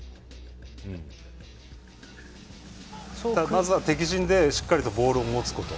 まずは敵陣でしっかりとボールを持つこと。